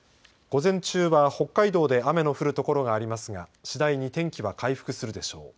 午前中は北海道で雨の降る所がありますが次第に天気は回復するでしょう。